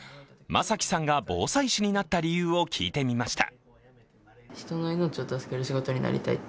眞輝さんが防災士になった理由を聞いてみました。